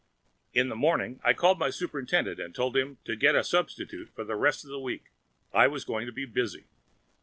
In the morning, I called my superintendent and told him to get a substitute for the rest of the week; I was going to be busy.